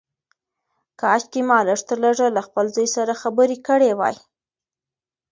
کاشکي ما لږ تر لږه له خپل زوی سره خبرې کړې وای.